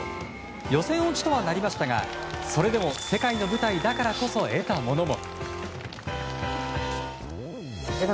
予選落ちとはなりましたがそれでも世界の舞台だからこそ得たものも。